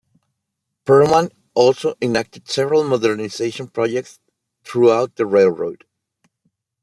Perlman also enacted several modernization projects throughout the railroad.